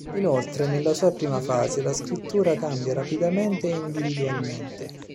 Inoltre, nella sua prima fase, la scrittura cambia rapidamente e individualmente.